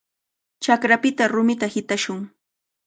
Chakrapita rumita hitashun.